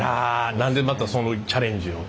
何でまたそのチャレンジを？